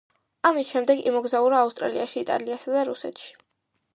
ამის შემდეგ იმოგზაურა ავსტრიაში, იტალიაში და რუსეთში.